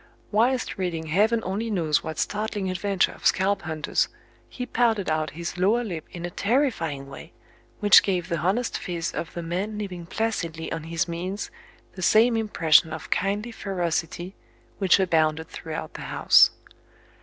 Whilst reading heaven only knows what startling adventure of scalp hunters, he pouted out his lower lip in a terrifying way, which gave the honest phiz of the man living placidly on his means the same impression of kindly ferocity which abounded throughout the house.